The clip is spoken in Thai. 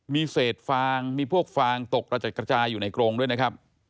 มีเศษฟางมีพวกฟางตกกระจัดกระจายอยู่ในกรงด้วยนะครับ